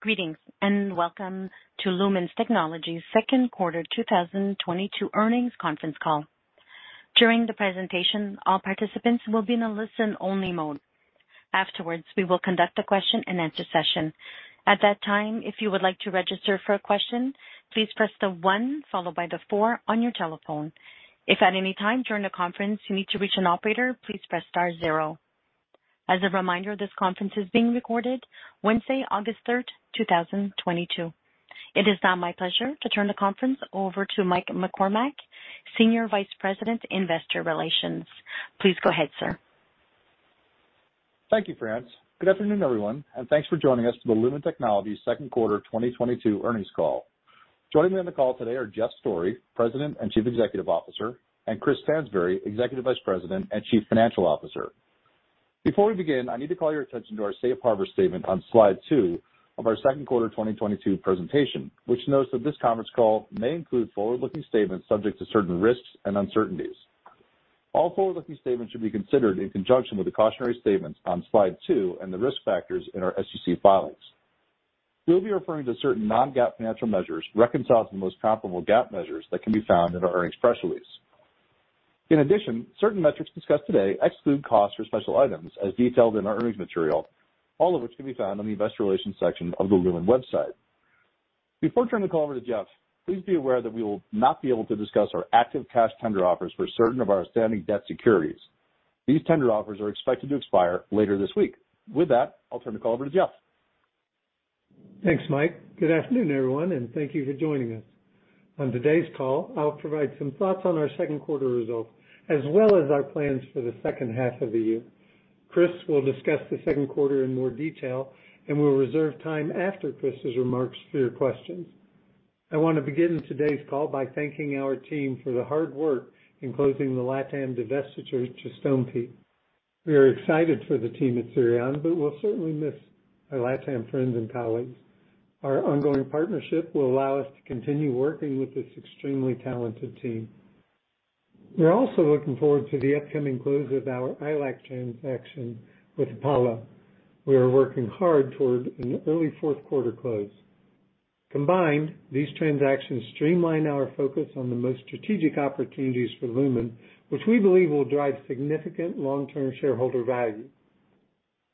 Greetings, and welcome to Lumen Technologies second quarter 2022 earnings conference call. During the presentation, all participants will be in a listen-only mode. Afterwards, we will conduct a question-and-answer session. At that time, if you would like to register for a question, please press one followed by four on your telephone. If at any time during the conference you need to reach an operator, please press star zero. As a reminder, this conference is being recorded Wednesday, August 3, 2022. It is now my pleasure to turn the conference over to Mike McCormack, Senior Vice President, Investor Relations. Please go ahead, sir. Thank you, France. Good afternoon, everyone, and thanks for joining us for the Lumen Technologies second quarter 2022 earnings call. Joining me on the call today are Jeff Storey, President and Chief Executive Officer, and Chris Stansbury, Executive Vice President and Chief Financial Officer. Before we begin, I need to call your attention to our safe harbor statement on slide two of our second quarter 2022 presentation, which notes that this conference call may include forward-looking statements subject to certain risks and uncertainties. All forward-looking statements should be considered in conjunction with the cautionary statements on slide two and the risk factors in our SEC filings. We'll be referring to certain non-GAAP financial measures reconciled to the most comparable GAAP measures that can be found in our earnings press release. In addition, certain metrics discussed today exclude costs for special items as detailed in our earnings material, all of which can be found on the investor relations section of the Lumen website. Before turning the call over to Jeff, please be aware that we will not be able to discuss our active cash tender offers for certain of our outstanding debt securities. These tender offers are expected to expire later this week. With that, I'll turn the call over to Jeff. Thanks, Mike. Good afternoon, everyone, and thank you for joining us. On today's call, I'll provide some thoughts on our second quarter results as well as our plans for the H2 of the year. Chris will discuss the second quarter in more detail, and we'll reserve time after Chris's remarks for your questions. I want to begin today's call by thanking our team for the hard work in closing the LatAm divestiture to Stonepeak. We are excited for the team at Cirion, but we'll certainly miss our LatAm friends and colleagues. Our ongoing partnership will allow us to continue working with this extremely talented team. We're also looking forward to the upcoming close of our ILEC transaction with Apollo. We are working hard toward an early fourth-quarter close. Combined, these transactions streamline our focus on the most strategic opportunities for Lumen, which we believe will drive significant long-term shareholder value.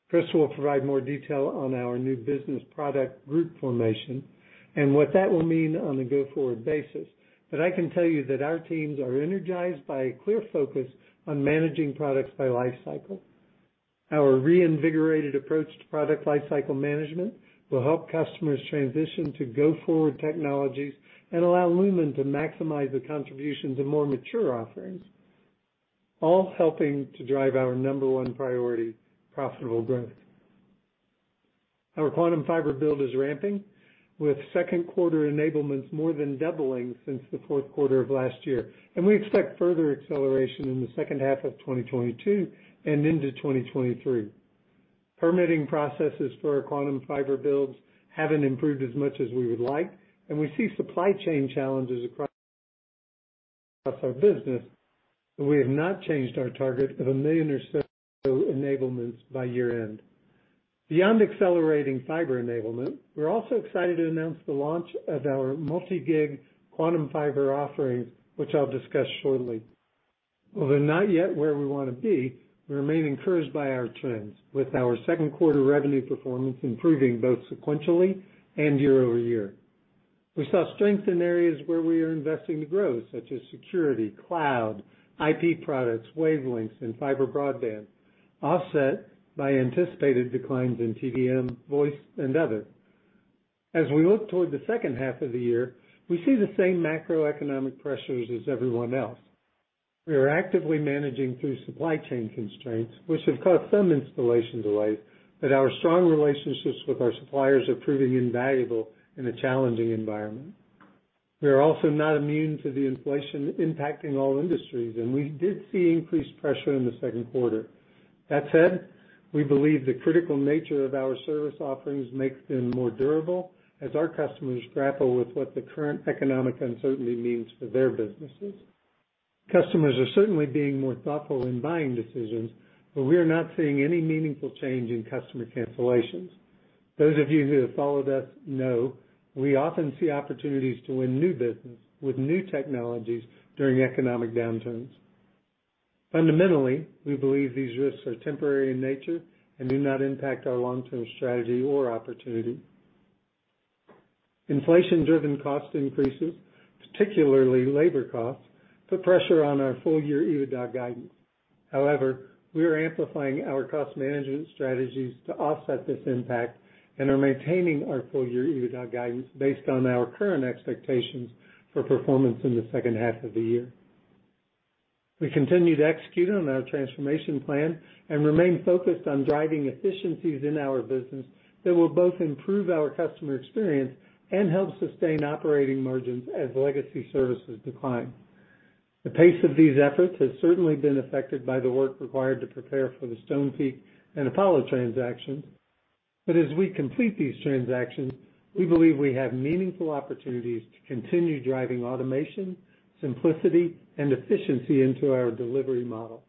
Chris will provide more detail on our new business product group formation and what that will mean on a go-forward basis, but I can tell you that our teams are energized by a clear focus on managing products by life cycle. Our reinvigorated approach to product life cycle management will help customers transition to go-forward technologies and allow Lumen to maximize the contribution to more mature offerings, all helping to drive our number one priority, profitable growth. Our Quantum Fiber build is ramping, with second-quarter enablements more than doubling since the fourth quarter of last year, and we expect further acceleration in the H2 of 2022 and into 2023. Permitting processes for our Quantum Fiber builds haven't improved as much as we would like, and we see supply chain challenges across our business, but we have not changed our target of a million or so enablements by year-end. Beyond accelerating fiber enablement, we're also excited to announce the launch of our multi-gig Quantum Fiber offerings, which I'll discuss shortly. Although not yet where we want to be, we remain encouraged by our trends with our second quarter revenue performance improving both sequentially and year-over-year. We saw strength in areas where we are investing to grow, such as security, cloud, IP products, wavelengths, and fiber broadband, offset by anticipated declines in TDM, voice, and other. As we look toward the H2 of the year, we see the same macroeconomic pressures as everyone else. We are actively managing through supply chain constraints, which have caused some installation delays, but our strong relationships with our suppliers are proving invaluable in a challenging environment. We are also not immune to the inflation impacting all industries, and we did see increased pressure in the second quarter. That said, we believe the critical nature of our service offerings makes them more durable as our customers grapple with what the current economic uncertainty means for their businesses. Customers are certainly being more thoughtful in buying decisions, but we are not seeing any meaningful change in customer cancellations. Those of you who have followed us know we often see opportunities to win new business with new technologies during economic downturns. Fundamentally, we believe these risks are temporary in nature and do not impact our long-term strategy or opportunity. Inflation-driven cost increases, particularly labor costs, put pressure on our full-year EBITDA guidance. However, we are amplifying our cost management strategies to offset this impact and are maintaining our full-year EBITDA guidance based on our current expectations for performance in the H2 of the year. We continue to execute on our transformation plan and remain focused on driving efficiencies in our business that will both improve our customer experience and help sustain operating margins as legacy services decline. The pace of these efforts has certainly been affected by the work required to prepare for the Stonepeak and Apollo transactions. As we complete these transactions, we believe we have meaningful opportunities to continue driving automation, simplicity, and efficiency into our delivery model.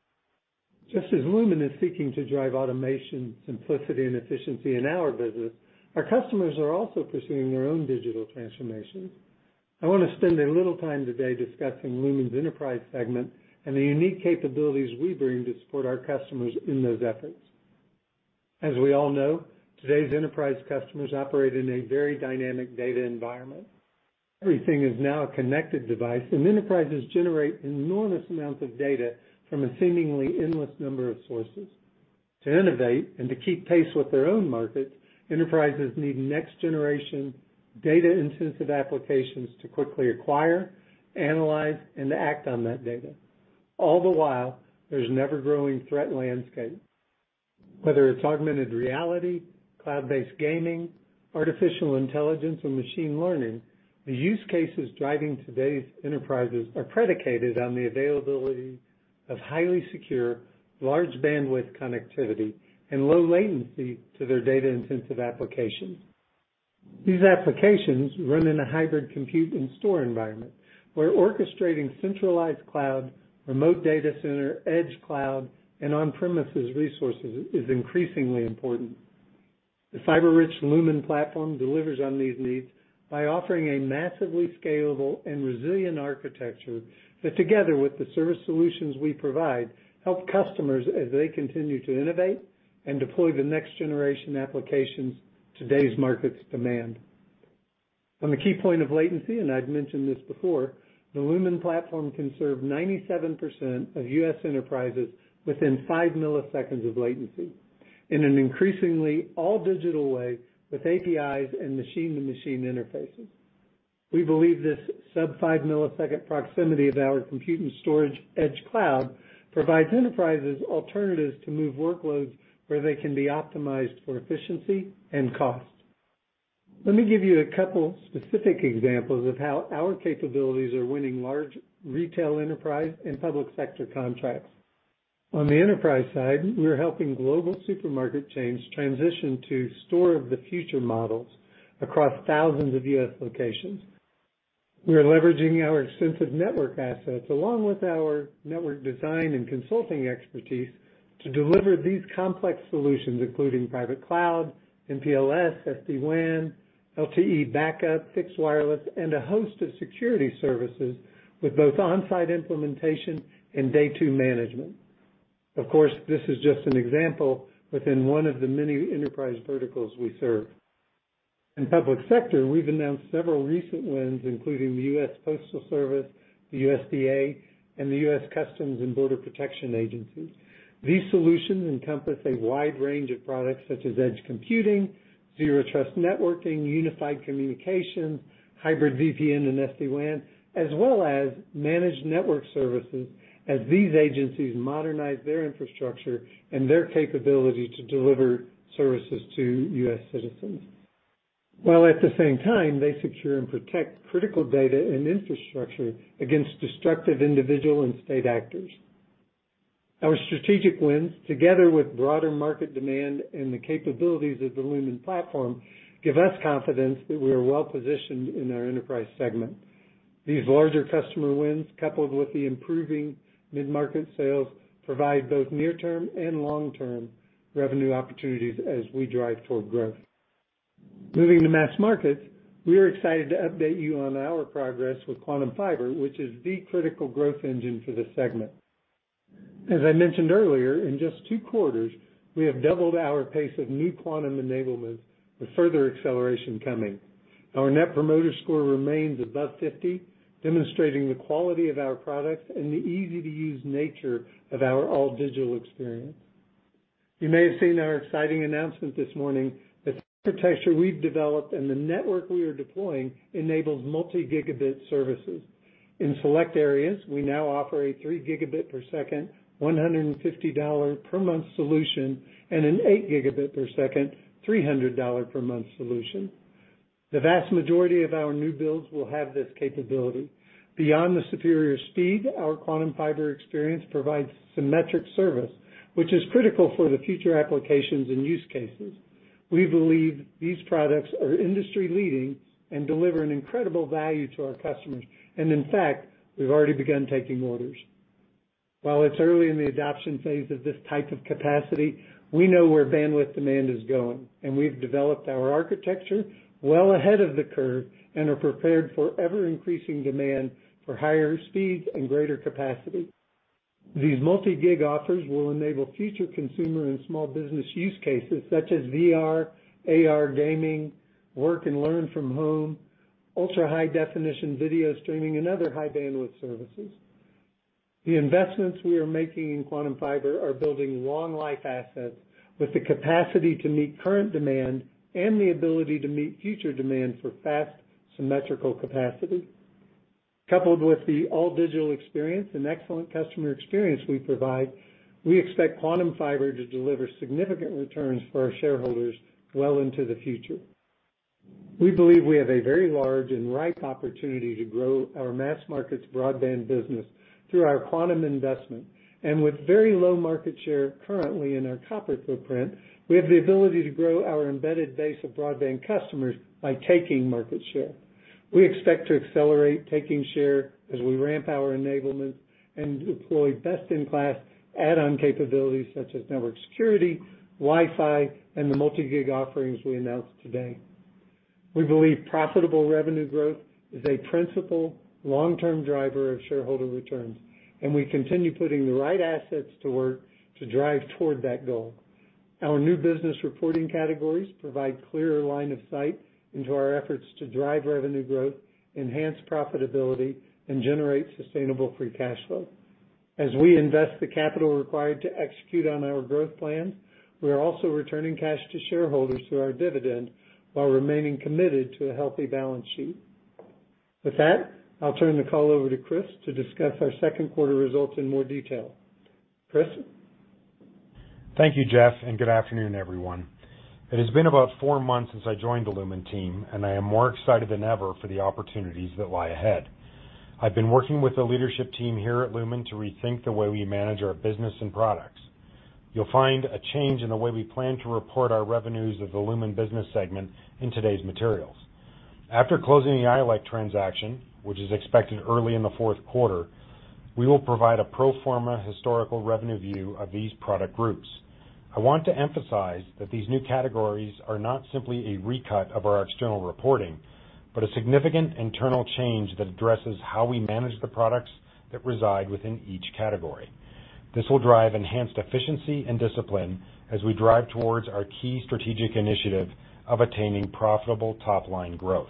Just as Lumen is seeking to drive automation, simplicity, and efficiency in our business, our customers are also pursuing their own digital transformations. I want to spend a little time today discussing Lumen's enterprise segment and the unique capabilities we bring to support our customers in those efforts. As we all know, today's enterprise customers operate in a very dynamic data environment. Everything is now a connected device, and enterprises generate enormous amounts of data from a seemingly endless number of sources. To innovate and to keep pace with their own markets, enterprises need next-generation data-intensive applications to quickly acquire, analyze, and act on that data. All the while, there's an ever-growing threat landscape. Whether it's augmented reality, cloud-based gaming, artificial intelligence, or machine learning, the use cases driving today's enterprises are predicated on the availability of highly secure, large bandwidth connectivity, and low latency to their data-intensive applications. These applications run in a hybrid compute and store environment where orchestrating centralized cloud, remote data center, edge cloud, and on-premises resources is increasingly important. The fiber-rich Lumen Platform delivers on these needs by offering a massively scalable and resilient architecture that, together with the service solutions we provide, help customers as they continue to innovate and deploy the next-generation applications today's markets demand. On the key point of latency, and I've mentioned this before, the Lumen Platform can serve 97% of U.S. enterprises within 5 ms of latency in an increasingly all digital way with APIs and machine-to-machine interfaces. We believe this sub 5-ms proximity of our compute and storage edge cloud provides enterprises alternatives to move workloads where they can be optimized for efficiency and cost. Let me give you a couple specific examples of how our capabilities are winning large retail enterprise and public sector contracts. On the enterprise side, we are helping global supermarket chains transition to store of the future models across thousands of U.S. locations. We are leveraging our extensive network assets along with our network design and consulting expertise to deliver these complex solutions, including private cloud, MPLS, SD-WAN, LTE backup, fixed wireless, and a host of security services with both on-site implementation and day two management. Of course, this is just an example within one of the many enterprise verticals we serve. In public sector, we've announced several recent wins, including the U.S. Postal Service, the USDA, and the U.S. Customs and Border Protection. These solutions encompass a wide range of products such as edge computing, Zero Trust networking, unified communication, hybrid VPN and SD-WAN, as well as managed network services as these agencies modernize their infrastructure and their capability to deliver services to U.S. citizens. While at the same time, they secure and protect critical data and infrastructure against destructive individual and state actors. Our strategic wins, together with broader market demand and the capabilities of the Lumen Platform, give us confidence that we are well-positioned in our enterprise segment. These larger customer wins, coupled with the improving mid-market sales, provide both near-term and long-term revenue opportunities as we drive toward growth. Moving to mass markets, we are excited to update you on our progress with Quantum Fiber, which is the critical growth engine for this segment. As I mentioned earlier, in just two quarters, we have doubled our pace of new Quantum enablement with further acceleration coming. Our Net Promoter Score remains above 50, demonstrating the quality of our products and the easy-to-use nature of our all digital experience. You may have seen our exciting announcement this morning that the architecture we've developed and the network we are deploying enables multi-gigabit services. In select areas, we now offer a 3 Gbps, $150 per month solution and an 8 Gbps, $300 per month solution. The vast majority of our new builds will have this capability. Beyond the superior speed, our Quantum Fiber experience provides symmetric service, which is critical for the future applications and use cases. We believe these products are industry-leading and deliver an incredible value to our customers. In fact, we've already begun taking orders. While it's early in the adoption phase of this type of capacity, we know where bandwidth demand is going, and we've developed our architecture well ahead of the curve and are prepared for ever-increasing demand for higher speeds and greater capacity. These multi-gig offers will enable future consumer and small business use cases such as VR, AR gaming, work and learn from home, ultra-high definition video streaming, and other high bandwidth services. The investments we are making in Quantum Fiber are building long life assets with the capacity to meet current demand and the ability to meet future demand for fast symmetrical capacity. Coupled with the all digital experience and excellent customer experience we provide, we expect Quantum Fiber to deliver significant returns for our shareholders well into the future. We believe we have a very large and ripe opportunity to grow our mass markets broadband business through our Quantum investment, and with very low market share currently in our copper footprint, we have the ability to grow our embedded base of broadband customers by taking market share. We expect to accelerate taking share as we ramp our enablement and deploy best-in-class add-on capabilities such as network security, Wi-Fi, and the multi-gig offerings we announced today. We believe profitable revenue growth is a principal long-term driver of shareholder returns, and we continue putting the right assets to work to drive toward that goal. Our new business reporting categories provide clearer line of sight into our efforts to drive revenue growth, enhance profitability, and generate sustainable free cash flow. As we invest the capital required to execute on our growth plan, we are also returning cash to shareholders through our dividend while remaining committed to a healthy balance sheet. With that, I'll turn the call over to Chris to discuss our second quarter results in more detail. Chris? Thank you, Jeff, and good afternoon, everyone. It has been about four months since I joined the Lumen team, and I am more excited than ever for the opportunities that lie ahead. I've been working with the leadership team here at Lumen to rethink the way we manage our business and products. You'll find a change in the way we plan to report our revenues of the Lumen business segment in today's materials. After closing the ILEC transaction, which is expected early in the fourth quarter, we will provide a pro forma historical revenue view of these product groups. I want to emphasize that these new categories are not simply a recut of our external reporting, but a significant internal change that addresses how we manage the products that reside within each category. This will drive enhanced efficiency and discipline as we drive towards our key strategic initiative of attaining profitable top-line growth.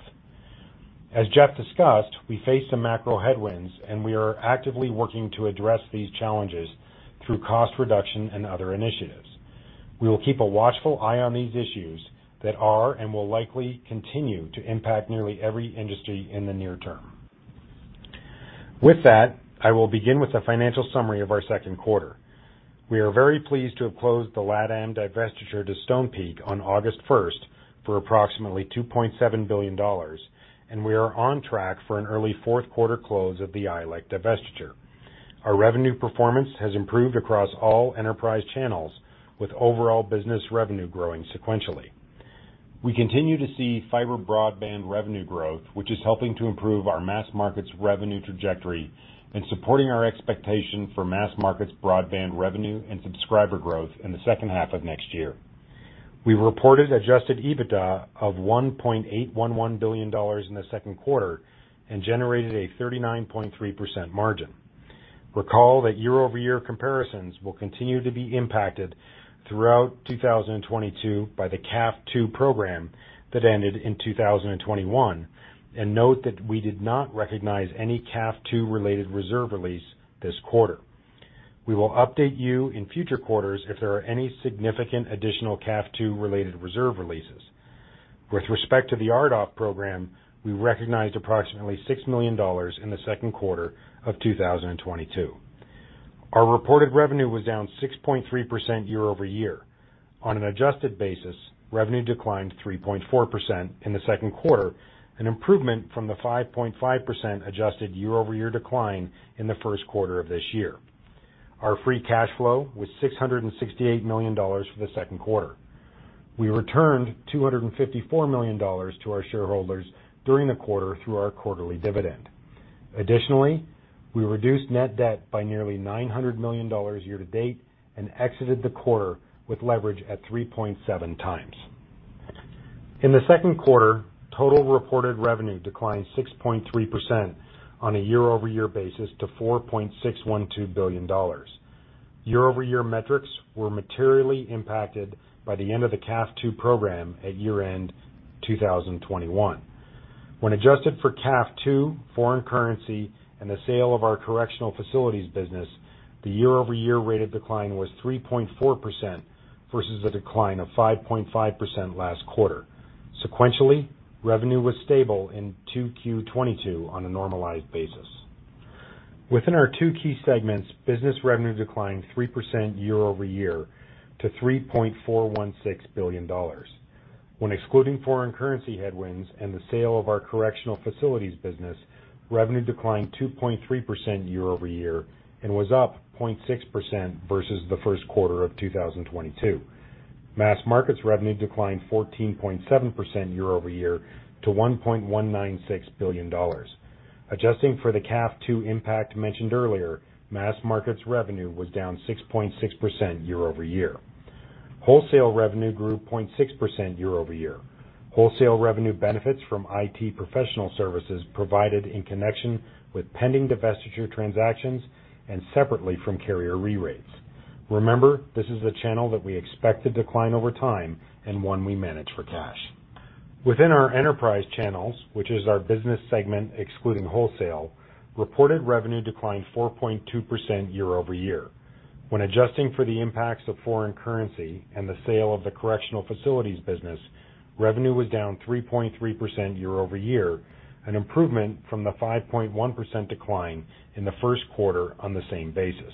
As Jeff discussed, we face some macro headwinds, and we are actively working to address these challenges through cost reduction and other initiatives. We will keep a watchful eye on these issues that are and will likely continue to impact nearly every industry in the near term. With that, I will begin with a financial summary of our second quarter. We are very pleased to have closed the LatAm divestiture to Stonepeak on August first for approximately $2.7 billion, and we are on track for an early fourth quarter close of the ILEC divestiture. Our revenue performance has improved across all enterprise channels, with overall business revenue growing sequentially. We continue to see fiber broadband revenue growth, which is helping to improve our mass markets revenue trajectory and supporting our expectation for mass markets broadband revenue and subscriber growth in the H2 of next year. We reported adjusted EBITDA of $1.811 billion in the second quarter and generated a 39.3% margin. Recall that year-over-year comparisons will continue to be impacted throughout 2022 by the CAF II program that ended in 2021, and note that we did not recognize any CAF II-related reserve release this quarter. We will update you in future quarters if there are any significant additional CAF II-related reserve releases. With respect to the RDOF program, we recognized approximately $6 million in the second quarter of 2022. Our reported revenue was down 6.3% year over year. On an adjusted basis, revenue declined 3.4% in the second quarter, an improvement from the 5.5% adjusted year-over-year decline in the first quarter of this year. Our free cash flow was $668 million for the second quarter. We returned $254 million to our shareholders during the quarter through our quarterly dividend. Additionally, we reduced net debt by nearly $900 million year to date and exited the quarter with leverage at 3.7x. In the second quarter, total reported revenue declined 6.3% on a year-over-year basis to $4.612 billion. Year-over-year metrics were materially impacted by the end of the CAF II program at year-end 2021. When adjusted for CAF II, foreign currency, and the sale of our correctional facilities business, the year-over-year rate of decline was 3.4% versus a decline of 5.5% last quarter. Sequentially, revenue was stable in 2Q 2022 on a normalized basis. Within our two key segments, business revenue declined 3% year-over-year to $3.416 billion. When excluding foreign currency headwinds and the sale of our correctional facilities business, revenue declined 2.3% year-over-year and was up 0.6% versus the first quarter of 2022. Mass markets revenue declined 14.7% year-over-year to $1.196 billion. Adjusting for the CAF II impact mentioned earlier, mass markets revenue was down 6.6% year-over-year. Wholesale revenue grew 0.6% year-over-year. Wholesale revenue benefits from IT professional services provided in connection with pending divestiture transactions and separately from carrier re-rates. Remember, this is a channel that we expect to decline over time and one we manage for cash. Within our enterprise channels, which is our business segment excluding wholesale, reported revenue declined 4.2% year-over-year. When adjusting for the impacts of foreign currency and the sale of the correctional facilities business, revenue was down 3.3% year-over-year, an improvement from the 5.1% decline in the first quarter on the same basis.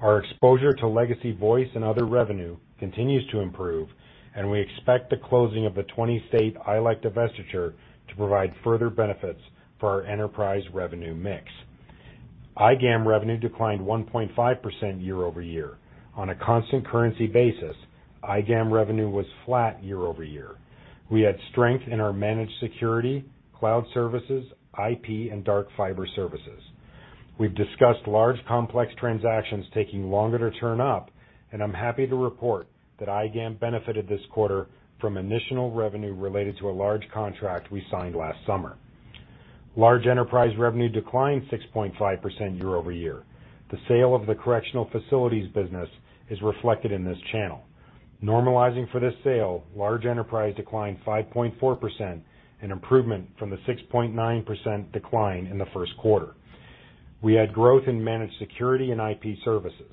Our exposure to legacy voice and other revenue continues to improve, and we expect the closing of the 20-state ILEC divestiture to provide further benefits for our enterprise revenue mix. IGAM revenue declined 1.5% year-over-year. On a constant currency basis, iGAM revenue was flat year-over-year. We had strength in our managed security, cloud services, IP, and dark fiber services. We've discussed large, complex transactions taking longer to turn up, and I'm happy to report that iGAM benefited this quarter from initial revenue related to a large contract we signed last summer. Large enterprise revenue declined 6.5% year-over-year. The sale of the correctional facilities business is reflected in this channel. Normalizing for this sale, large enterprise declined 5.4%, an improvement from the 6.9% decline in the first quarter. We had growth in managed security and IP services.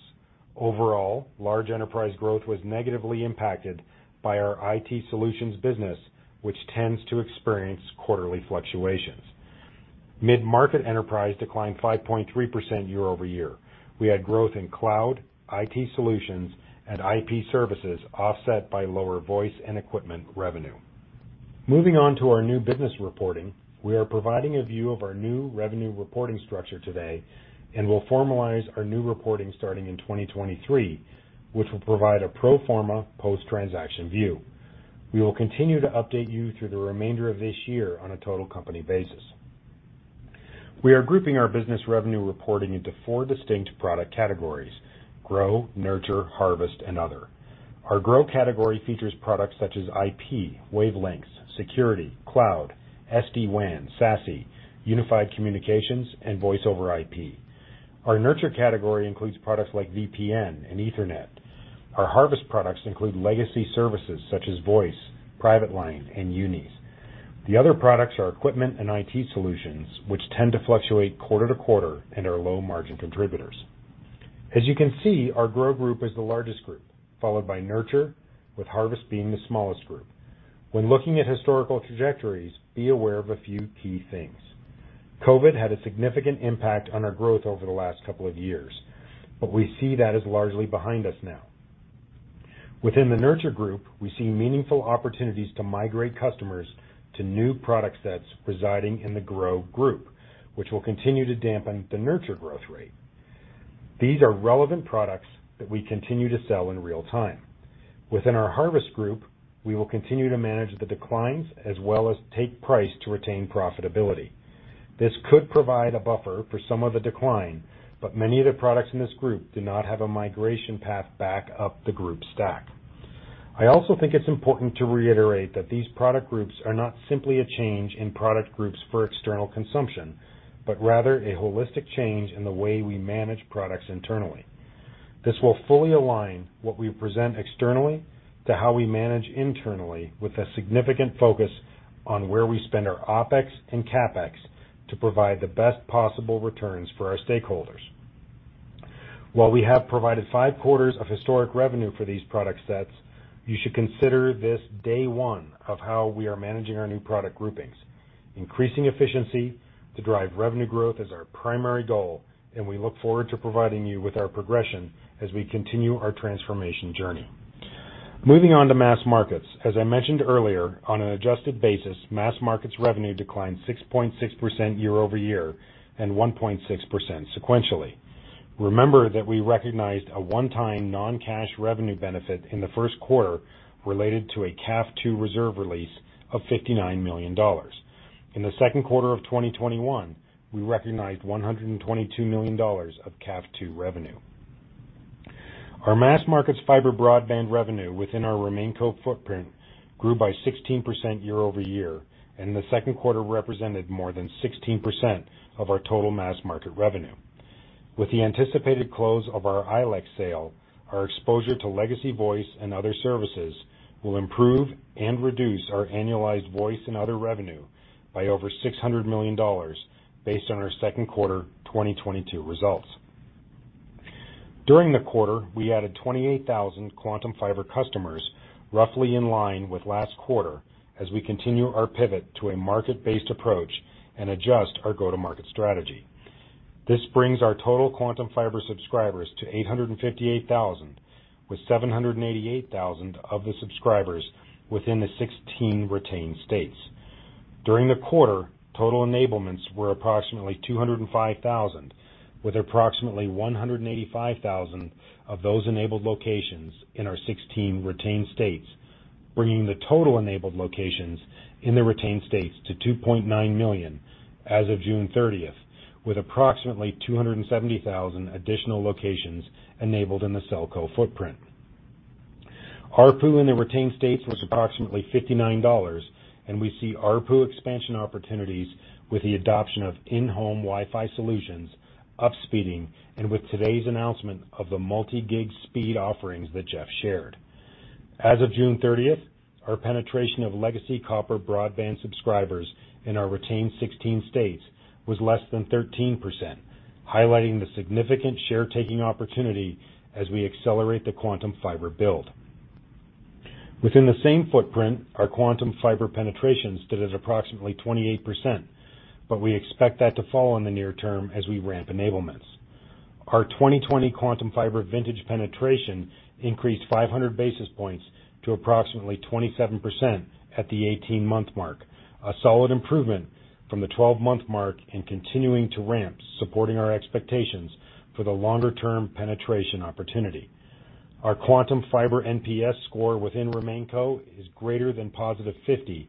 Overall, large enterprise growth was negatively impacted by our IT solutions business, which tends to experience quarterly fluctuations. Mid-market enterprise declined 5.3% year-over-year. We had growth in cloud, IT solutions, and IP services offset by lower voice and equipment revenue. Moving on to our new business reporting. We are providing a view of our new revenue reporting structure today, and we'll formalize our new reporting starting in 2023, which will provide a pro forma post-transaction view. We will continue to update you through the remainder of this year on a total company basis. We are grouping our business revenue reporting into four distinct product categories, grow, nurture, harvest, and other. Our grow category features products such as IP, wavelengths, security, cloud, SD-WAN, SASE, unified communications, and voice over IP. Our nurture category includes products like VPN and Ethernet. Our harvest products include legacy services such as voice, private line, and UNIs. The other products are equipment and IT solutions, which tend to fluctuate quarter to quarter and are low-margin contributors. As you can see, our grow group is the largest group, followed by nurture, with harvest being the smallest group. When looking at historical trajectories, be aware of a few key things. COVID had a significant impact on our growth over the last couple of years, but we see that as largely behind us now. Within the nurture group, we see meaningful opportunities to migrate customers to new product sets residing in the grow group, which will continue to dampen the nurture growth rate. These are relevant products that we continue to sell in real time. Within our harvest group, we will continue to manage the declines as well as take price to retain profitability. This could provide a buffer for some of the decline, but many of the products in this group do not have a migration path back up the group stack. I also think it's important to reiterate that these product groups are not simply a change in product groups for external consumption, but rather a holistic change in the way we manage products internally. This will fully align what we present externally to how we manage internally, with a significant focus on where we spend our OpEx and CapEx to provide the best possible returns for our stakeholders. While we have provided five quarters of historic revenue for these product sets, you should consider this day one of how we are managing our new product groupings. Increasing efficiency to drive revenue growth is our primary goal, and we look forward to providing you with our progression as we continue our transformation journey. Moving on to mass markets. As I mentioned earlier, on an adjusted basis, mass markets revenue declined 6.6% year-over-year and 1.6% sequentially. Remember that we recognized a one-time non-cash revenue benefit in the first quarter related to a CAF II reserve release of $59 million. In the second quarter of 2021, we recognized $122 million of CAF II revenue. Our mass markets fiber broadband revenue within our RemainCo footprint grew by 16% year-over-year, and in the second quarter represented more than 16% of our total mass market revenue. With the anticipated close of our ILEC sale, our exposure to legacy voice and other services will improve and reduce our annualized voice and other revenue by over $600 million based on our second quarter 2022 results. During the quarter, we added 28,000 Quantum Fiber customers, roughly in line with last quarter, as we continue our pivot to a market-based approach and adjust our go-to-market strategy. This brings our total Quantum Fiber subscribers to 858,000, with 788,000 of the subscribers within the 16 retained states. During the quarter, total enablements were approximately 205,000, with approximately 185,000 of those enabled locations in our 16 retained states, bringing the total enabled locations in the retained states to 2.9 million as of June 30, with approximately 270,000 additional locations enabled in the SellCo footprint. ARPU in the retained states was approximately $59, and we see ARPU expansion opportunities with the adoption of in-home Wi-Fi solutions, upspeeding, and with today's announcement of the multi-gig speed offerings that Jeff shared. As of June 30, our penetration of legacy copper broadband subscribers in our retained 16 states was less than 13%, highlighting the significant share taking opportunity as we accelerate the Quantum Fiber build. Within the same footprint, our Quantum Fiber penetration stood at approximately 28%, but we expect that to fall in the near term as we ramp enablements. Our 2020 Quantum Fiber vintage penetration increased 500 basis points to approximately 27% at the 18-month mark, a solid improvement from the 12-month mark and continuing to ramp, supporting our expectations for the longer-term penetration opportunity. Our Quantum Fiber NPS score within RemainCo is greater than +50,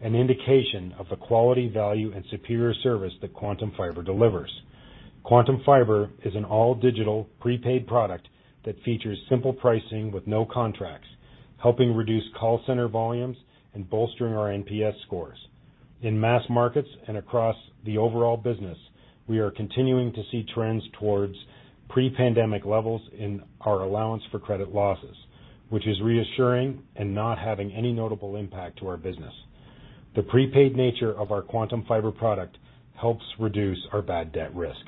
an indication of the quality, value, and superior service that Quantum Fiber delivers. Quantum Fiber is an all-digital prepaid product that features simple pricing with no contracts, helping reduce call center volumes and bolstering our NPS scores. In mass markets and across the overall business, we are continuing to see trends towards pre-pandemic levels in our allowance for credit losses, which is reassuring and not having any notable impact to our business. The prepaid nature of our Quantum Fiber product helps reduce our bad debt risk.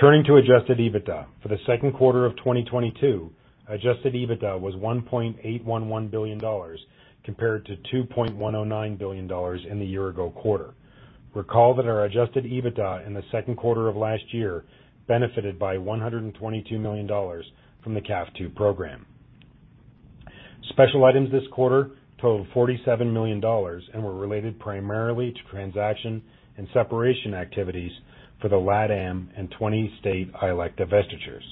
Turning to adjusted EBITDA. For the second quarter of 2022, adjusted EBITDA was $1.811 billion compared to $2.109 billion in the year ago quarter. Recall that our adjusted EBITDA in the second quarter of last year benefited by $122 million from the CAF II program. Special items this quarter totaled $47 million and were related primarily to transaction and separation activities for the LatAm and 20-state ILEC divestitures.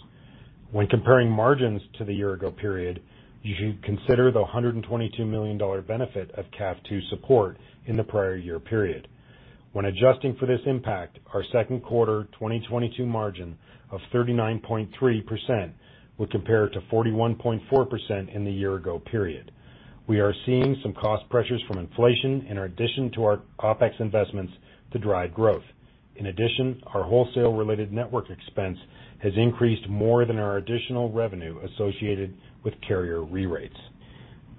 When comparing margins to the year ago period, you should consider the $122 million benefit of CAF II support in the prior year period. When adjusting for this impact, our second quarter 2022 margin of 39.3% would compare to 41.4% in the year ago period. We are seeing some cost pressures from inflation in addition to our OpEx investments to drive growth. In addition, our wholesale-related network expense has increased more than our additional revenue associated with carrier re-rates.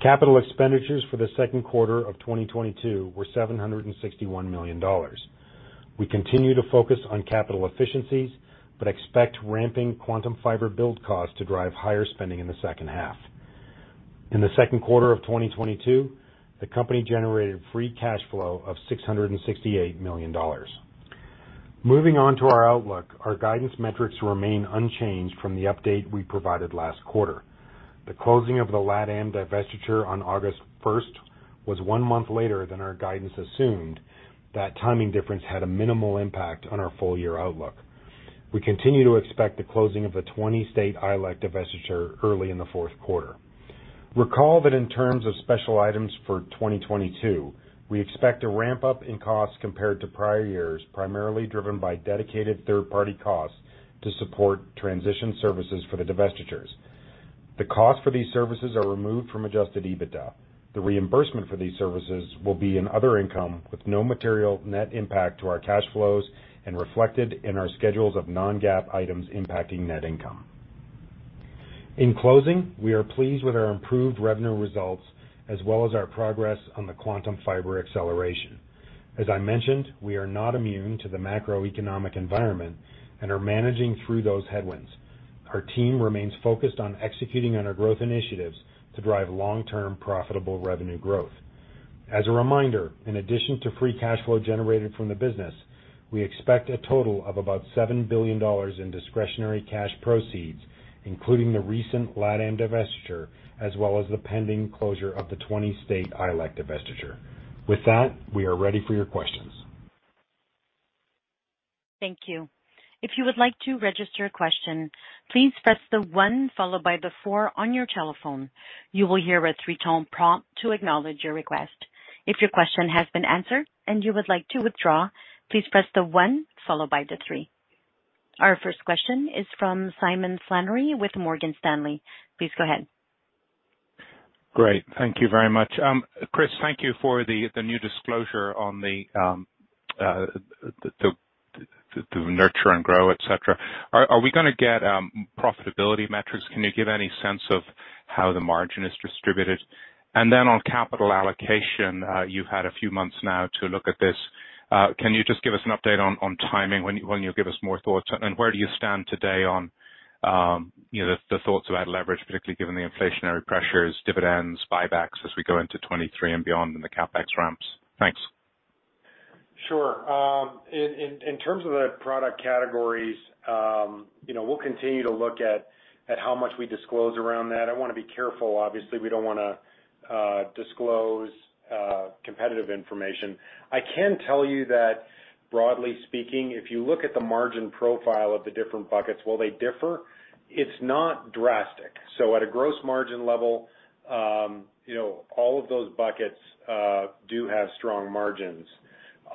Capital expenditures for the second quarter of 2022 were $761 million. We continue to focus on capital efficiencies, but expect ramping Quantum Fiber build costs to drive higher spending in the H2. In the second quarter of 2022, the company generated free cash flow of $668 million. Moving on to our outlook, our guidance metrics remain unchanged from the update we provided last quarter. The closing of the LatAm divestiture on August 1 was one month later than our guidance assumed. That timing difference had a minimal impact on our full year outlook. We continue to expect the closing of the 20-state ILEC divestiture early in the fourth quarter. Recall that in terms of special items for 2022, we expect a ramp-up in costs compared to prior years, primarily driven by dedicated third-party costs to support transition services for the divestitures. The costs for these services are removed from adjusted EBITDA. The reimbursement for these services will be in other income with no material net impact to our cash flows and reflected in our schedules of non-GAAP items impacting net income. In closing, we are pleased with our improved revenue results as well as our progress on the Quantum Fiber acceleration. As I mentioned, we are not immune to the macroeconomic environment and are managing through those headwinds. Our team remains focused on executing on our growth initiatives to drive long-term profitable revenue growth. As a reminder, in addition to free cash flow generated from the business, we expect a total of about $7 billion in discretionary cash proceeds, including the recent LatAm divestiture, as well as the pending closure of the 20-state ILEC divestiture. With that, we are ready for your questions. Thank you. If you would like to register a question, please press the one followed by the four on your telephone. You will hear a three-tone prompt to acknowledge your request. If your question has been answered and you would like to withdraw, please press the one followed by the three. Our first question is from Simon Flannery with Morgan Stanley. Please go ahead. Great. Thank you very much. Chris, thank you for the new disclosure on the nurture and grow, et cetera. Are we gonna get profitability metrics? Can you give any sense of how the margin is distributed? Then on capital allocation, you've had a few months now to look at this. Can you just give us an update on timing, when you'll give us more thoughts? Where do you stand today on, you know, the thoughts about leverage, particularly given the inflationary pressures, dividends, buybacks as we go into 2023 and beyond in the CapEx ramps? Thanks. Sure. In terms of the product categories, you know, we'll continue to look at how much we disclose around that. I wanna be careful. Obviously, we don't wanna disclose competitive information. I can tell you that broadly speaking, if you look at the margin profile of the different buckets, while they differ, it's not drastic. At a gross margin level, you know, all of those buckets do have strong margins.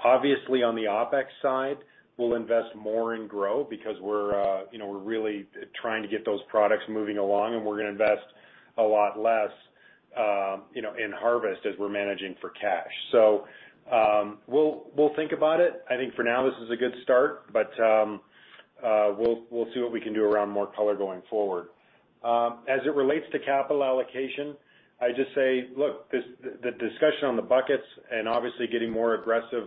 Obviously, on the OpEx side, we'll invest more in grow because we're really trying to get those products moving along, and we're gonna invest a lot less, you know, in harvest as we're managing for cash. We'll think about it. I think for now, this is a good start, but we'll see what we can do around more color going forward. As it relates to capital allocation, I just say, look, the discussion on the buckets and obviously getting more aggressive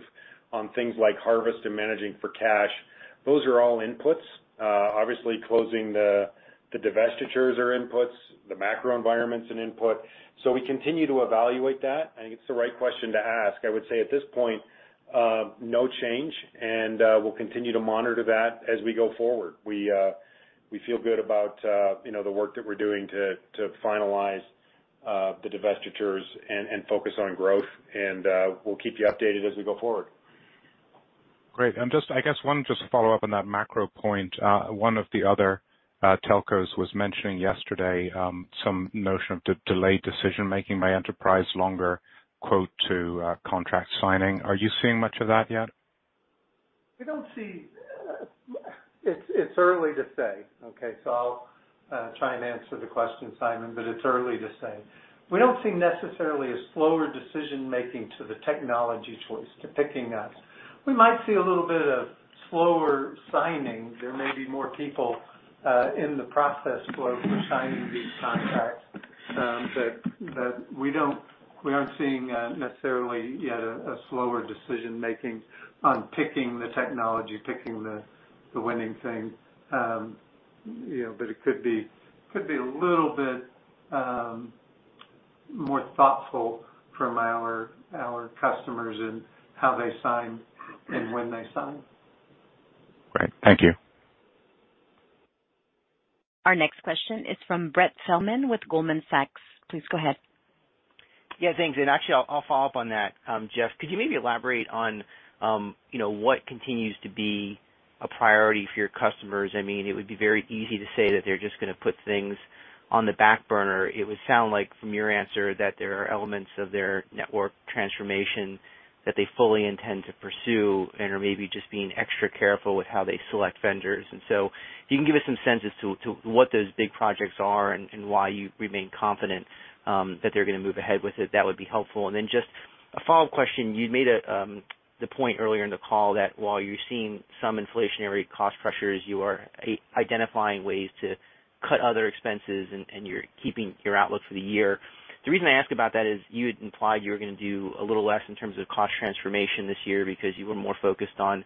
on things like harvest and managing for cash. Those are all inputs. Obviously closing the divestitures are inputs, the macro environment's an input. We continue to evaluate that, and it's the right question to ask. I would say at this point no change, and we'll continue to monitor that as we go forward. We feel good about, you know, the work that we're doing to finalize the divestitures and focus on growth. We'll keep you updated as we go forward. Great. Just, I guess, one follow-up on that macro point. One of the other telcos was mentioning yesterday some notion of delayed decision-making by enterprise longer quote to contract signing. Are you seeing much of that yet? It's early to say, okay? I'll try and answer the question, Simon, but it's early to say. We don't see necessarily a slower decision-making to the technology choice, to picking us. We might see a little bit of slower signing. There may be more people in the process flow for signing these contracts. But we aren't seeing necessarily yet a slower decision-making on picking the technology, picking the winning thing. You know, but it could be a little bit more thoughtful from our customers in how they sign and when they sign. Great. Thank you. Our next question is from Brett Feldman with Goldman Sachs. Please go ahead. Yeah, thanks. Actually, I'll follow up on that. Jeff, could you maybe elaborate on you know, what continues to be a priority for your customers? I mean, it would be very easy to say that they're just gonna put things on the back burner. It would sound like from your answer that there are elements of their network transformation that they fully intend to pursue and are maybe just being extra careful with how they select vendors. So if you can give us some sense as to what those big projects are and why you remain confident that they're gonna move ahead with it, that would be helpful. Then just a follow-up question. You made the point earlier in the call that while you're seeing some inflationary cost pressures, you are identifying ways to cut other expenses, and you're keeping your outlook for the year. The reason I ask about that is you had implied you were gonna do a little less in terms of cost transformation this year because you were more focused on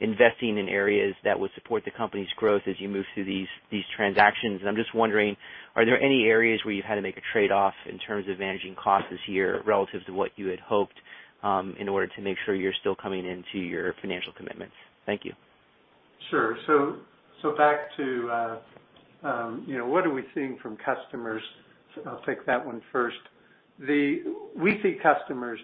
investing in areas that would support the company's growth as you move through these transactions. I'm just wondering, are there any areas where you've had to make a trade-off in terms of managing costs this year relative to what you had hoped in order to make sure you're still coming into your financial commitments? Thank you. Sure. Back to you know, what are we seeing from customers? I'll take that one first. We see customers,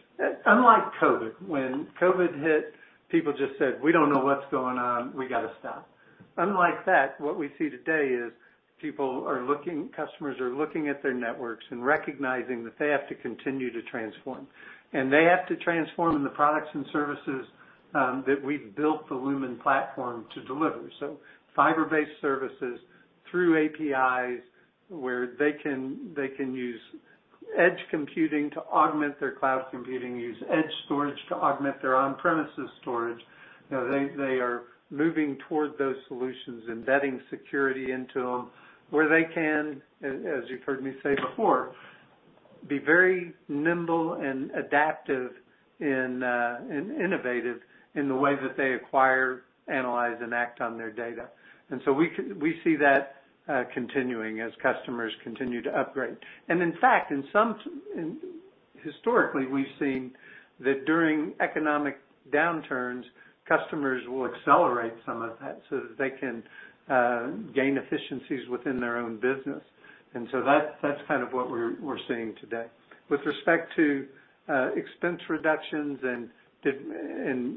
unlike COVID, when COVID hit, people just said, "We don't know what's going on. We gotta stop." Unlike that, what we see today is customers are looking at their networks and recognizing that they have to continue to transform. They have to transform the products and services that we've built the Lumen Platform to deliver. Fiber-based services through APIs, where they can use edge computing to augment their cloud computing, use edge storage to augment their on-premises storage. You know, they are moving toward those solutions, embedding security into them where they can, as you've heard me say before, be very nimble and adaptive and innovative in the way that they acquire, analyze, and act on their data. We see that continuing as customers continue to upgrade. In fact, historically, we've seen that during economic downturns, customers will accelerate some of that so that they can gain efficiencies within their own business. That's kind of what we're seeing today. With respect to expense reductions and,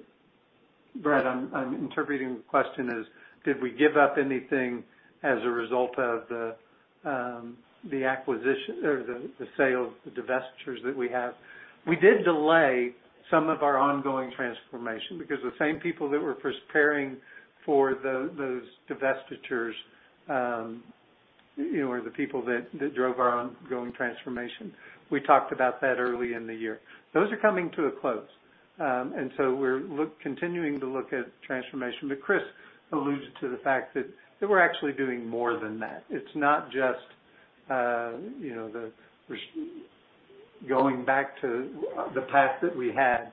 Brett, I'm interpreting the question as, did we give up anything as a result of the acquisition or the sale, the divestitures that we have? We did delay some of our ongoing transformation because the same people that were preparing for those divestitures are the people that drove our ongoing transformation. We talked about that early in the year. Those are coming to a close. We're continuing to look at transformation, but Chris alluded to the fact that we're actually doing more than that. It's not just going back to the path that we had.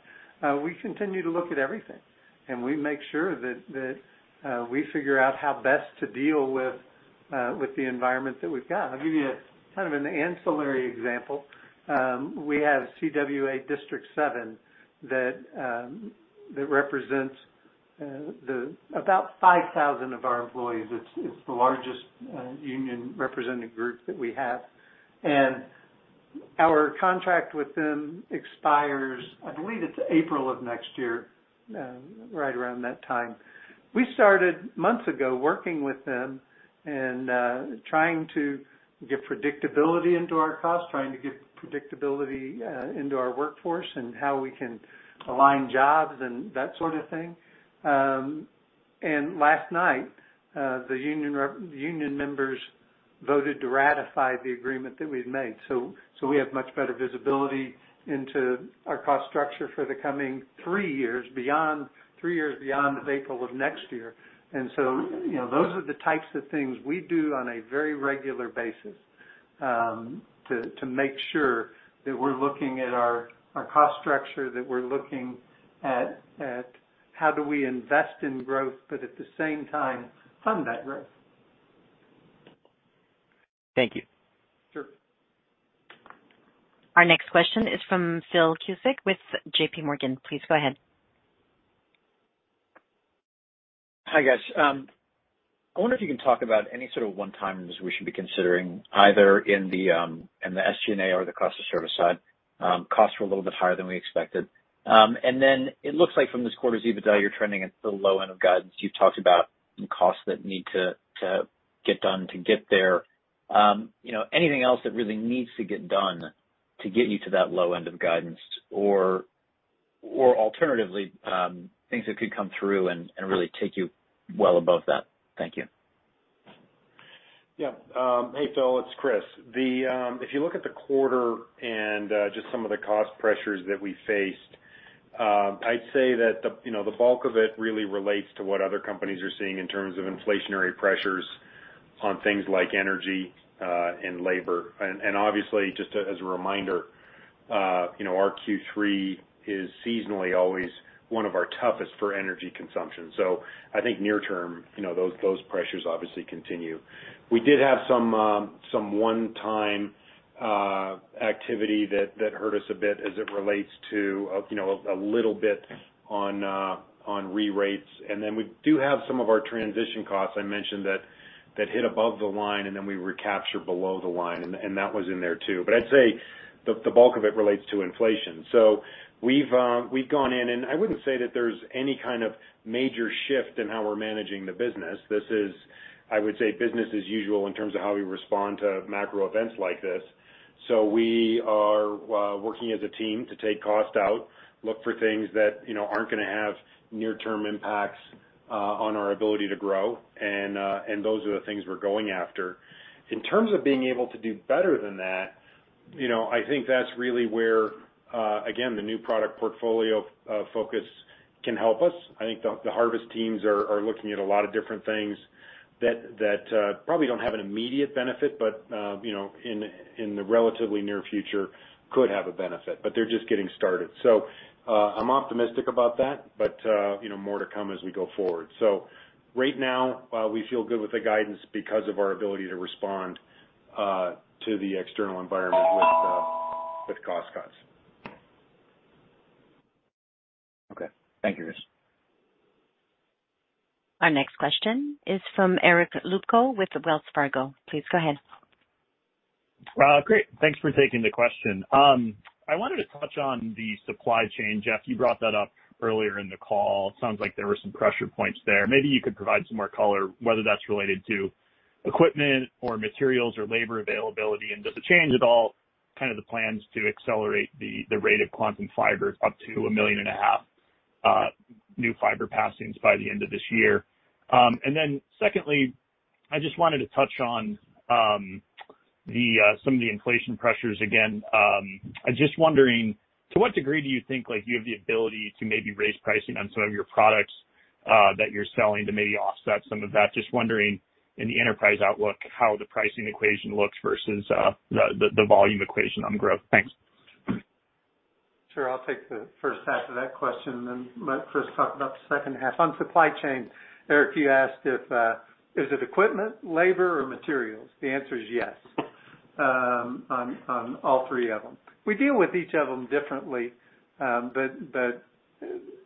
We continue to look at everything, and we make sure that we figure out how best to deal with the environment that we've got. I'll give you a kind of an ancillary example. We have CWA District 7 that represents about 5,000 of our employees. It's the largest union representative group that we have. Our contract with them expires, I believe it's April of next year, right around that time. We started months ago working with them and trying to get predictability into our costs, trying to get predictability into our workforce and how we can align jobs and that sort of thing. Last night, the union members voted to ratify the agreement that we'd made. We have much better visibility into our cost structure for the coming three years, three years beyond April of next year. You know, those are the types of things we do on a very regular basis. To make sure that we're looking at our cost structure, that we're looking at how do we invest in growth, but at the same time fund that growth. Thank you. Sure. Our next question is from Phil Cusick with JPMorgan. Please go ahead. Hi, guys. I wonder if you can talk about any sort of one-timers we should be considering either in the SG&A or the cost of service side. Costs were a little bit higher than we expected. It looks like from this quarter's EBITDA, you're trending at the low end of guidance. You've talked about the costs that need to get done to get there. You know, anything else that really needs to get done to get you to that low end of guidance? Alternatively, things that could come through and really take you well above that. Thank you. Yeah. Hey, Phil, it's Chris. If you look at the quarter and just some of the cost pressures that we faced, I'd say that the, you know, the bulk of it really relates to what other companies are seeing in terms of inflationary pressures on things like energy, and labor. Obviously, just as a reminder, you know, our Q3 is seasonally always one of our toughest for energy consumption. I think near term, you know, those pressures obviously continue. We did have some one-time activity that hurt us a bit as it relates to, you know, a little bit on re-rates. Then we do have some of our transition costs I mentioned that hit above the line and then we recapture below the line, and that was in there too. I'd say the bulk of it relates to inflation. We've gone in and I wouldn't say that there's any kind of major shift in how we're managing the business. This is, I would say, business as usual in terms of how we respond to macro events like this. We are working as a team to take cost out, look for things that, you know, aren't gonna have near-term impacts on our ability to grow, and those are the things we're going after. In terms of being able to do better than that, you know, I think that's really where, again, the new product portfolio focus can help us. I think the harvest teams are looking at a lot of different things that probably don't have an immediate benefit, but you know, in the relatively near future could have a benefit, but they're just getting started. I'm optimistic about that, but you know, more to come as we go forward. Right now, we feel good with the guidance because of our ability to respond to the external environment with cost cuts. Okay. Thank you, guys. Our next question is from Eric Luebchow with Wells Fargo. Please go ahead. Great. Thanks for taking the question. I wanted to touch on the supply chain. Jeff, you brought that up earlier in the call. It sounds like there were some pressure points there. Maybe you could provide some more color, whether that's related to equipment or materials or labor availability. Does it change at all kind of the plans to accelerate the rate of Quantum Fiber up to 1.5 million new fiber passings by the end of this year? Then secondly, I just wanted to touch on some of the inflation pressures again. I'm just wondering, to what degree do you think, like, you have the ability to maybe raise pricing on some of your products that you're selling to maybe offset some of that? Just wondering in the enterprise outlook, how the pricing equation looks versus the volume equation on growth? Thanks. Sure. I'll take the H1 of that question, and then let Chris Stansbury talk about the H2. On supply chain, Eric Luebchow, you asked if, is it equipment, labor, or materials? The answer is yes, on all three of them. We deal with each of them differently, but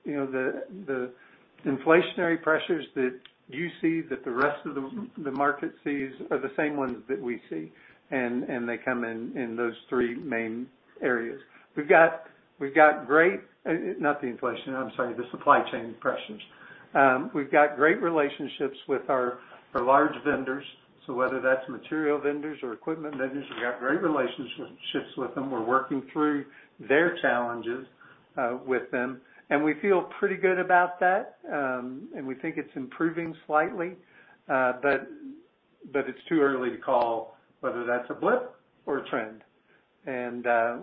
you know, the inflationary pressures that you see, that the rest of the market sees are the same ones that we see, and they come in those three main areas. The supply chain pressures. We've got great relationships with our large vendors, so whether that's material vendors or equipment vendors, we've got great relationships with them. We're working through their challenges with them, and we feel pretty good about that, and we think it's improving slightly. It's too early to call whether that's a blip or a trend.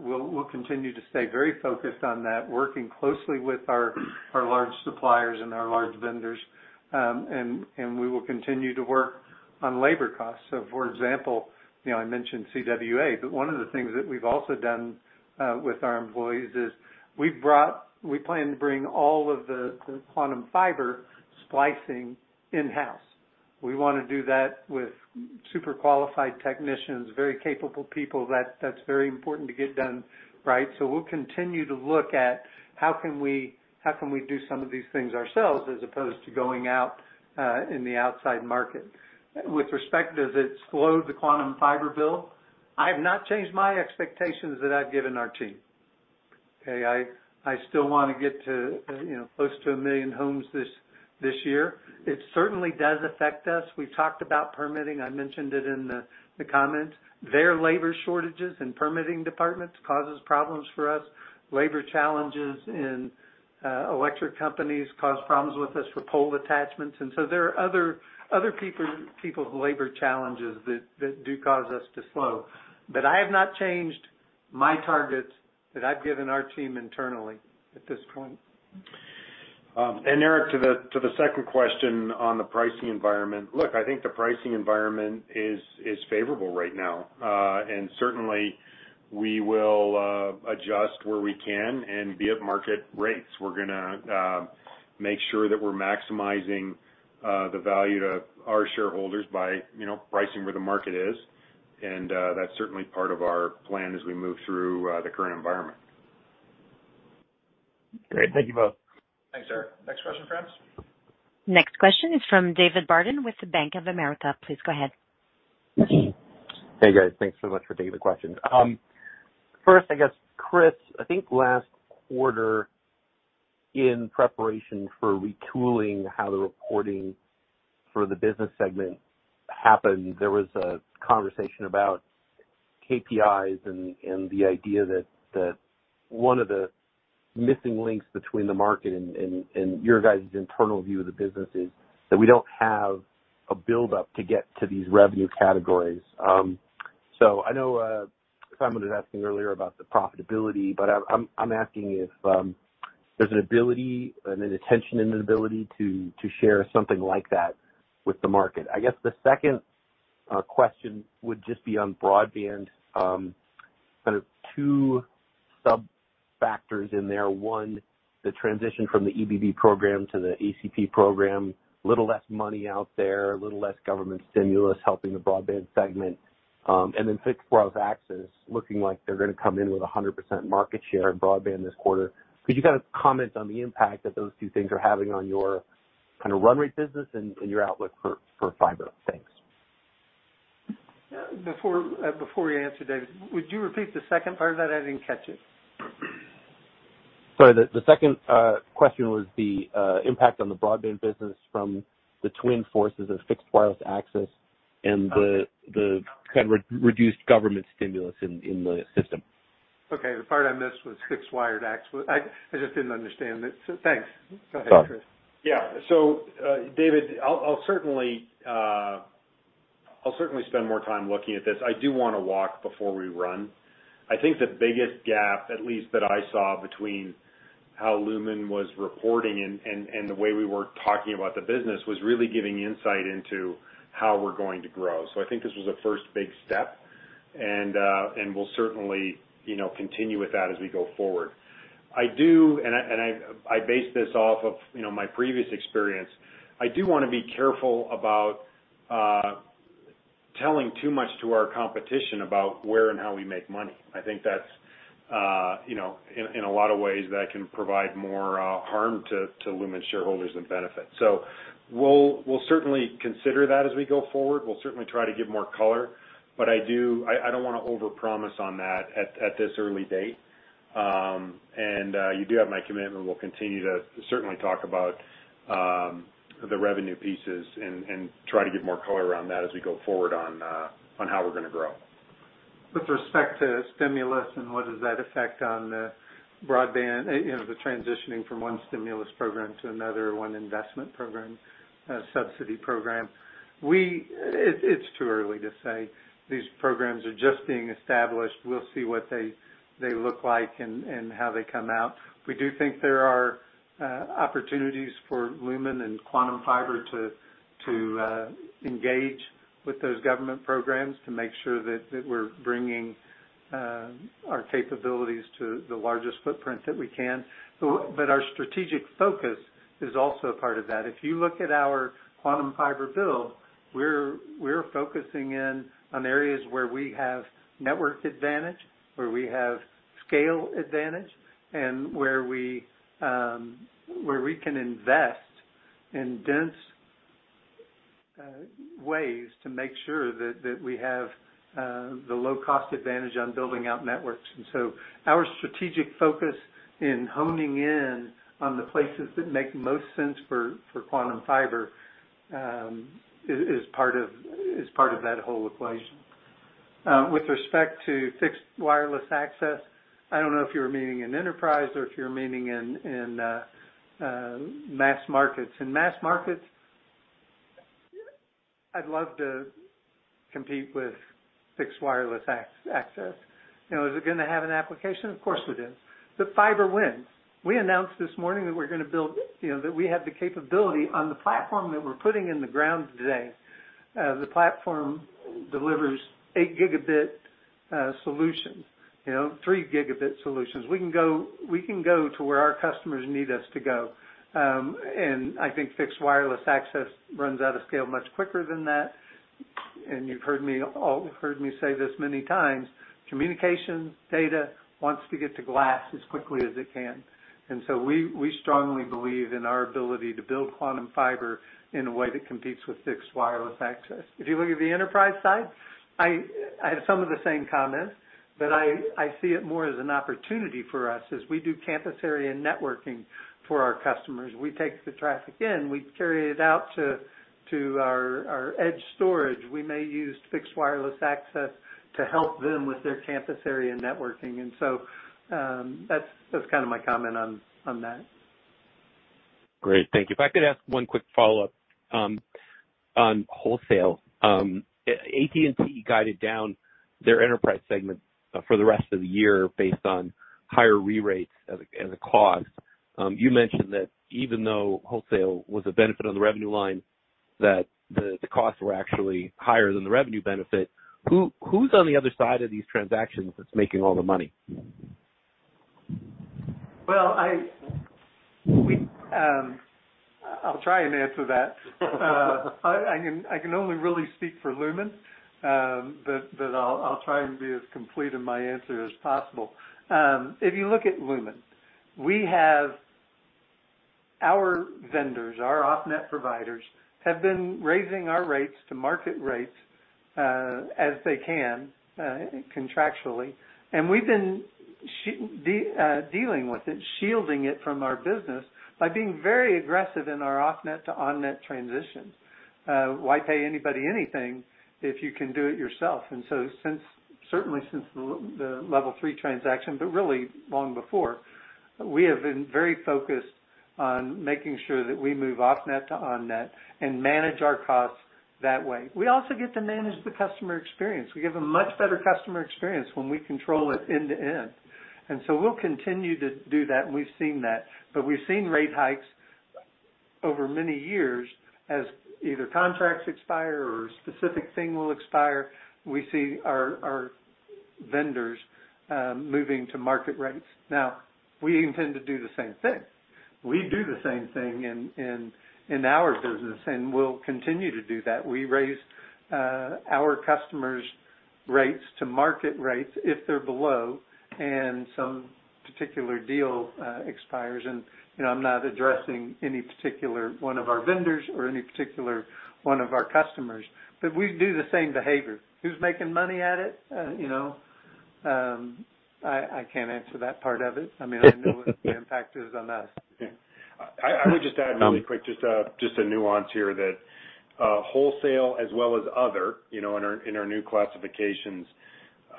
We'll continue to stay very focused on that, working closely with our large suppliers and our large vendors. We will continue to work on labor costs. For example, you know, I mentioned CWA, but one of the things that we've also done with our employees is we plan to bring all of the Quantum Fiber splicing in-house. We wanna do that with super qualified technicians, very capable people. That's very important to get done right. We'll continue to look at how we can do some of these things ourselves as opposed to going out in the outside market. With respect to does it slow the Quantum Fiber build, I have not changed my expectations that I've given our team. Okay. I still wanna get to, you know, close to a million homes this year. It certainly does affect us. We've talked about permitting. I mentioned it in the comments. There are labor shortages in permitting departments, causes problems for us. Labor challenges in electric companies cause problems with us for pole attachments. There are other people's labor challenges that do cause us to slow. I have not changed my targets that I've given our team internally at this point. Eric, to the second question on the pricing environment. Look, I think the pricing environment is favorable right now. Certainly we will adjust where we can and be at market rates. We're gonna make sure that we're maximizing the value to our shareholders by, you know, pricing where the market is. That's certainly part of our plan as we move through the current environment. Great. Thank you both. Thanks, Eric. Next question, friends. Next question is from David Barden with Bank of America. Please go ahead. Hey, guys. Thanks so much for taking the questions. First, I guess, Chris, I think last quarter in preparation for retooling how the reporting for the business segment happened, there was a conversation about KPIs and the idea that one of the missing links between the market and your guys' internal view of the business is that we don't have a build-up to get to these revenue categories. So I know Simon was asking earlier about the profitability, but I'm asking if there's an ability and an intention and an ability to share something like that with the market. I guess the second question would just be on broadband, kind of two sub-factors in there. One, the transition from the EBB program to the ACP program, a little less money out there, a little less government stimulus helping the broadband segment, and then fixed wireless access looking like they're gonna come in with 100% market share in broadband this quarter. Could you kind of comment on the impact that those two things are having on your kind of run rate business and your outlook for fiber? Thanks. Before you answer, David, would you repeat the second part of that? I didn't catch it. Sorry. The second question was the impact on the broadband business from the twin forces of fixed wireless access and the kind of reduced government stimulus in the system. Okay. The part I missed was fixed wired access. I just didn't understand it. Thanks. No problem. Go ahead, Chris. Yeah. David, I'll certainly spend more time looking at this. I do wanna walk before we run. I think the biggest gap, at least that I saw between how Lumen was reporting and the way we were talking about the business, was really giving insight into how we're going to grow. I think this was a first big step. We'll certainly, you know, continue with that as we go forward. I base this off of, you know, my previous experience. I do wanna be careful about telling too much to our competition about where and how we make money. I think that's, you know, in a lot of ways, that can provide more harm to Lumen shareholders than benefit. We'll certainly consider that as we go forward. We'll certainly try to give more color. I don't wanna overpromise on that at this early date. You do have my commitment. We'll continue to certainly talk about the revenue pieces and try to give more color around that as we go forward on how we're gonna grow. With respect to stimulus and what effect does that have on the broadband, you know, the transitioning from one stimulus program to another, one investment program, subsidy program. It's too early to say. These programs are just being established. We'll see what they look like and how they come out. We do think there are opportunities for Lumen and Quantum Fiber to engage with those government programs to make sure that we're bringing our capabilities to the largest footprint that we can. Our strategic focus is also a part of that. If you look at our Quantum Fiber build, we're focusing in on areas where we have network advantage, where we have scale advantage, and where we can invest in dense ways to make sure that we have the low cost advantage on building out networks. Our strategic focus in honing in on the places that make most sense for Quantum Fiber is part of that whole equation. With respect to fixed wireless access, I don't know if you were meaning in enterprise or if you were meaning in mass markets. In mass markets, I'd love to compete with fixed wireless access. You know, is it gonna have an application? Of course, we do. But fiber wins. We announced this morning that we're gonna build, you know, that we have the capability on the platform that we're putting in the ground today. The platform delivers 8-gigabit solutions, you know, 3-gigabit solutions. We can go to where our customers need us to go. I think fixed wireless access runs out of scale much quicker than that. You've heard me say this many times, communication data wants to get to glass as quickly as it can. We strongly believe in our ability to build Quantum Fiber in a way that competes with fixed wireless access. If you look at the enterprise side, I have some of the same comments, but I see it more as an opportunity for us as we do campus area and networking for our customers. We take the traffic in, we carry it out to our edge storage. We may use fixed wireless access to help them with their campus area networking. That's kind of my comment on that. Great. Thank you. If I could ask one quick follow-up. On wholesale, AT&T guided down their enterprise segment for the rest of the year based on higher re-rates as a cost. You mentioned that even though wholesale was a benefit on the revenue line, that the costs were actually higher than the revenue benefit. Who's on the other side of these transactions that's making all the money? Well, I'll try and answer that. I can only really speak for Lumen, but I'll try and be as complete in my answer as possible. If you look at Lumen, we have our vendors, our off-net providers have been raising our rates to market rates, as they can, contractually. We've been dealing with it, shielding it from our business by being very aggressive in our off-net to on-net transitions. Why pay anybody anything if you can do it yourself? Since, certainly since the Level 3 transaction, but really long before, we have been very focused on making sure that we move off-net to on-net and manage our costs that way. We also get to manage the customer experience. We give a much better customer experience when we control it end to end. We'll continue to do that, and we've seen that. We've seen rate hikes over many years as either contracts expire or a specific thing will expire. We see our vendors moving to market rates. Now we intend to do the same thing. We do the same thing in our business, and we'll continue to do that. We raise our customers rates to market rates if they're below and some particular deal expires. You know, I'm not addressing any particular one of our vendors or any particular one of our customers, but we do the same behavior. Who's making money at it? You know, I can't answer that part of it. I mean, I know what the impact is on us. I would just add really quick, just a nuance here that, wholesale as well as other, you know, in our new classifications,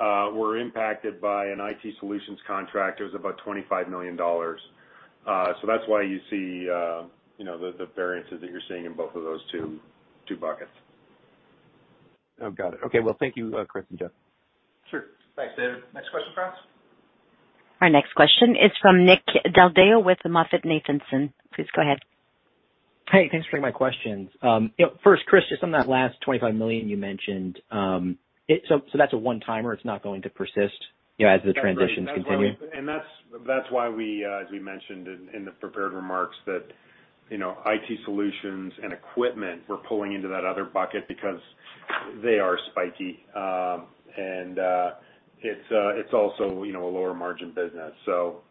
were impacted by an IT solutions contract. It was about $25 million. That's why you see, you know, the variances that you're seeing in both of those two buckets. Oh, got it. Okay. Well, thank you, Chris and Jeff. Sure. Thanks, David. Next question, operator. Our next question is from Nick Del Deo with the MoffettNathanson. Please go ahead. Hey, thanks for taking my questions. You know, first, Chris, just on that last $25 million you mentioned. So that's a one-timer, it's not going to persist, you know, as the transitions continue? That's right. That's why we, as we mentioned in the prepared remarks that, you know, IT solutions and equipment, we're pulling into that other bucket because they are spiky. It's also, you know, a lower margin business.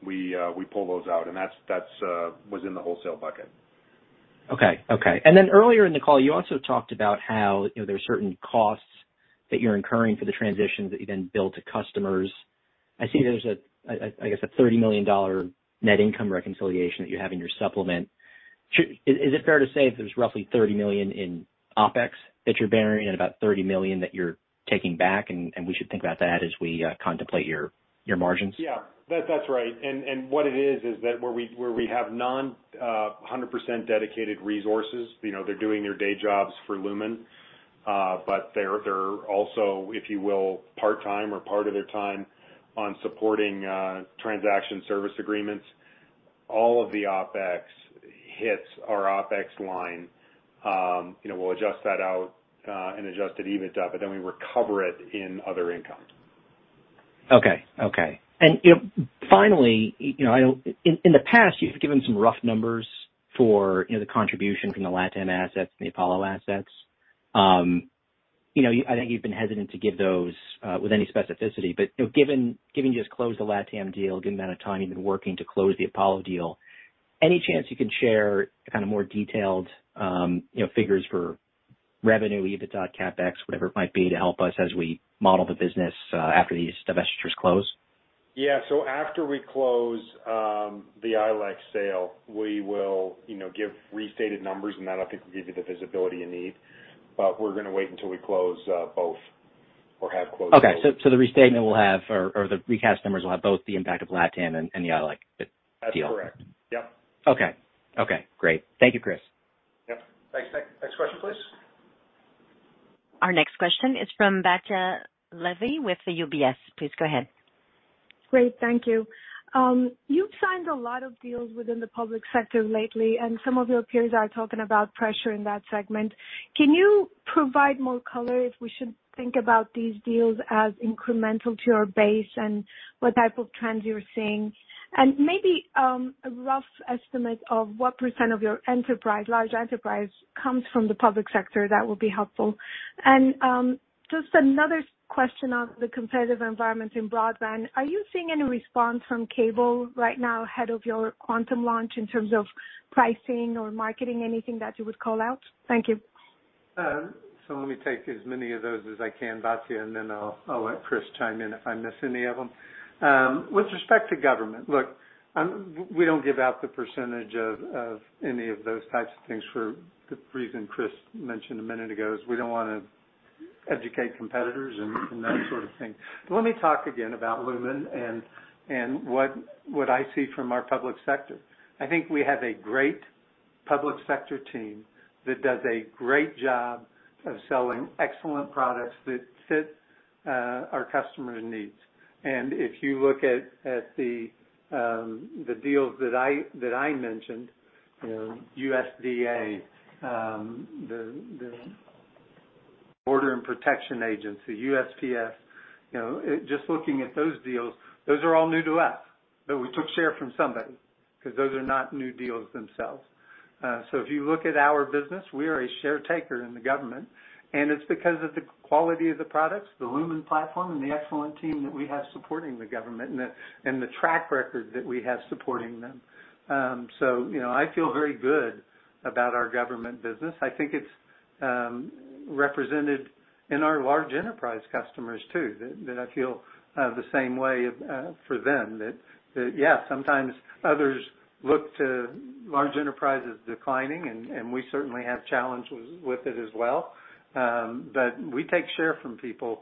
We pull those out, and that's what was in the wholesale bucket. Okay. Earlier in the call, you also talked about how, you know, there are certain costs that you're incurring for the transitions that you then bill to customers. I see there's a, I guess, a $30 million net income reconciliation that you have in your supplement. Is it fair to say that there's roughly $30 million in OpEx that you're bearing and about $30 million that you're taking back, and we should think about that as we contemplate your margins? Yeah. That's right. What it is is that where we have not 100% dedicated resources, you know, they're doing their day jobs for Lumen, but they're also, if you will, part-time or part of their time on supporting transaction service agreements. All of the OpEx hits our OpEx line. You know, we'll adjust that out in adjusted EBITDA, but then we recover it in other income. Okay. You know, finally, you know, in the past, you've given some rough numbers for, you know, the contribution from the LatAm assets and the Apollo assets. You know, I think you've been hesitant to give those with any specificity, but, you know, given you just closed the LatAm deal, given the amount of time you've been working to close the Apollo deal, any chance you can share kind of more detailed, you know, figures for revenue, EBITDA, CapEx, whatever it might be, to help us as we model the business after these divestitures close? After we close the ILEC sale, we will, you know, give restated numbers, and that I think will give you the visibility you need. We're gonna wait until we close both or have closed both. The restatement will have or the recast numbers will have both the impact of LatAm and the ILEC deal. That's correct. Yep. Okay. Okay, great. Thank you, Chris. Yep. Thanks, Nick. Next question, please. Our next question is from Batya Levi with the UBS. Please go ahead. Great. Thank you. You've signed a lot of deals within the public sector lately, and some of your peers are talking about pressure in that segment. Can you provide more color if we should think about these deals as incremental to your base and what type of trends you're seeing? And maybe a rough estimate of what percentage of your enterprise, large enterprise comes from the public sector, that would be helpful. And just another question on the competitive environment in broadband. Are you seeing any response from cable right now ahead of your Quantum launch in terms of pricing or marketing, anything that you would call out? Thank you. Let me take as many of those as I can, Batya, and then I'll let Chris chime in if I miss any of them. With respect to government, look, we don't give out the percentage of any of those types of things for the reason Chris mentioned a minute ago, is we don't want to educate competitors and that sort of thing. Let me talk again about Lumen and what I see from our public sector. I think we have a great public sector team that does a great job of selling excellent products that fit our customers' needs. If you look at the deals that I mentioned, you know, USDA, the U.S. Customs and Border Protection, USPS, you know, just looking at those deals, those are all new to us, but we took share from somebody because those are not new deals themselves. So if you look at our business, we are a share taker in the government, and it's because of the quality of the products, the Lumen Platform, and the excellent team that we have supporting the government and the track record that we have supporting them. You know, I feel very good about our government business. I think it's represented in our large enterprise customers too, that I feel the same way for them that yes, sometimes others look to large enterprises declining, and we certainly have challenges with it as well. We take share from people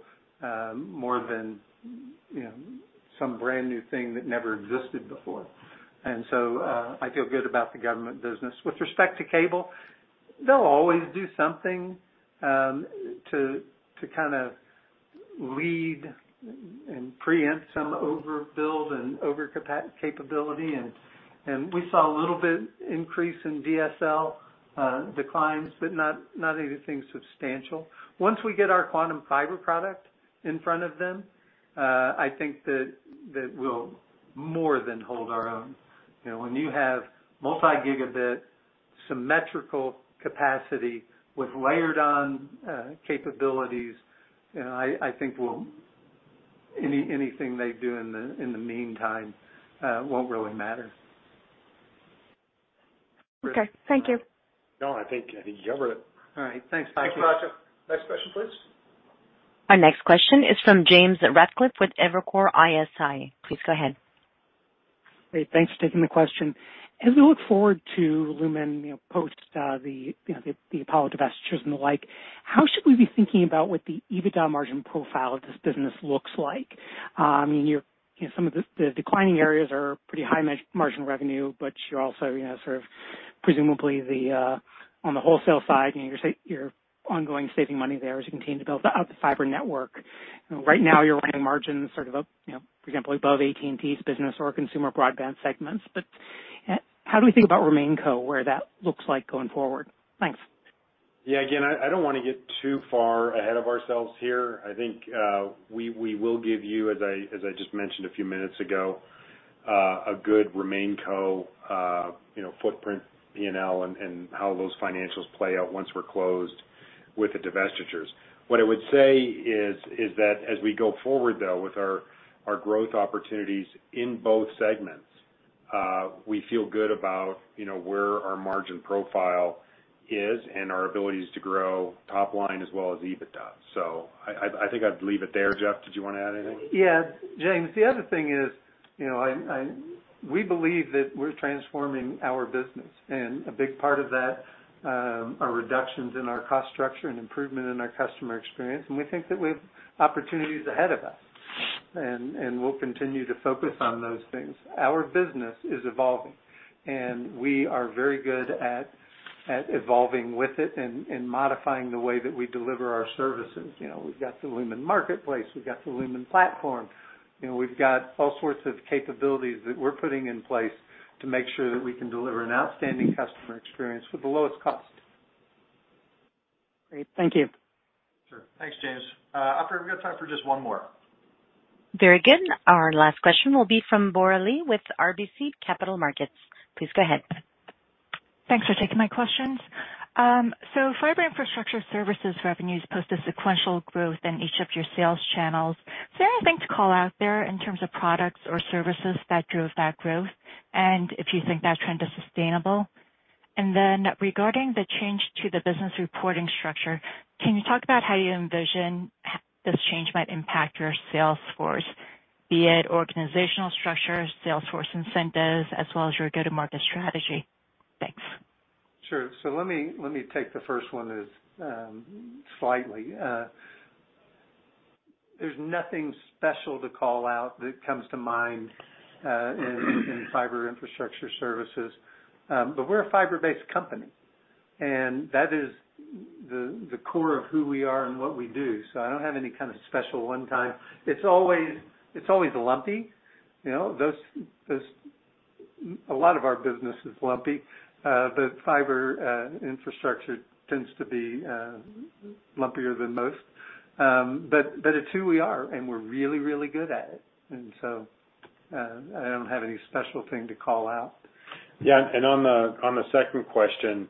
more than, you know, some brand-new thing that never existed before. I feel good about the government business. With respect to cable, they'll always do something to kind of lead and preempt some overbuild and over capacity. We saw a little bit increase in declines, but not anything substantial. Once we get our Quantum Fiber product in front of them, I think that we'll more than hold our own. You know, when you have multi-gigabit symmetrical capacity with layered on capabilities, you know, I think we'll. Anything they do in the meantime won't really matter. Okay. Thank you. No, I think you covered it. All right. Thanks. Thanks, Batya. Next question, please. Our next question is from James Ratcliffe with Evercore ISI. Please go ahead. Great. Thanks for taking the question. As we look forward to Lumen, you know, post the Apollo divestitures and the like, how should we be thinking about what the EBITDA margin profile of this business looks like? I mean, your, you know, some of the declining areas are pretty high margin revenue, but you're also, you know, sort of presumably on the wholesale side, you know, you're ongoing saving money there as you continue to build out the fiber network. You know, right now, you're running margins sort of, you know, for example, above AT&T's business or consumer broadband segments. How do we think about RemainCo, where that looks like going forward? Thanks. Yeah. Again, I don't wanna get too far ahead of ourselves here. I think we will give you, as I just mentioned a few minutes ago, a good RemainCo, you know, footprint P&L and how those financials play out once we're closed with the divestitures. What I would say is that as we go forward, though, with our growth opportunities in both segments, we feel good about, you know, where our margin profile is and our abilities to grow top line as well as EBITDA. I think I'd leave it there. Jeff, did you wanna add anything? Yeah. James, the other thing is, you know, we believe that we're transforming our business, and a big part of that are reductions in our cost structure and improvement in our customer experience. We think that we have opportunities ahead of us. We'll continue to focus on those things. Our business is evolving, and we are very good at evolving with it and modifying the way that we deliver our services. You know, we've got the Lumen Marketplace, we've got the Lumen Platform. You know, we've got all sorts of capabilities that we're putting in place to make sure that we can deliver an outstanding customer experience for the lowest cost. Great. Thank you. Sure. Thanks, James. Operator, we've got time for just one more. Very good. Our last question will be from Bora Lee with RBC Capital Markets. Please go ahead. Thanks for taking my questions. Fiber infrastructure services revenues posted sequential growth in each of your sales channels. Is there anything to call out there in terms of products or services that drove that growth? If you think that trend is sustainable? Regarding the change to the business reporting structure, can you talk about how you envision this change might impact your sales force, be it organizational structure, sales force incentives, as well as your go-to-market strategy? Thanks. Sure. Let me take the first one as slightly. There's nothing special to call out that comes to mind in fiber infrastructure services. We're a fiber-based company, and that is the core of who we are and what we do. I don't have any kind of special one time. It's always lumpy. A lot of our business is lumpy, but fiber infrastructure tends to be lumpier than most. It's who we are, and we're really good at it. I don't have any special thing to call out. Yeah. On the second question,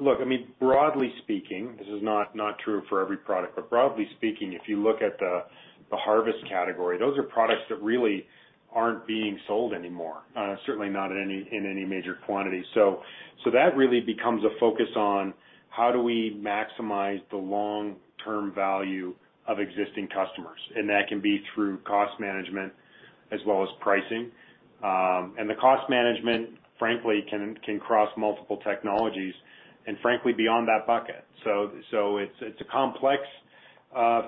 look, I mean, broadly speaking, this is not true for every product. Broadly speaking, if you look at the harvest category, those are products that really aren't being sold anymore, certainly not in any major quantity. That really becomes a focus on how do we maximize the long-term value of existing customers. That can be through cost management as well as pricing. The cost management, frankly, can cross multiple technologies and frankly, beyond that bucket. It's a complex